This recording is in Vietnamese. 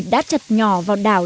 thịt vịt đã chặt nhỏ vào đảo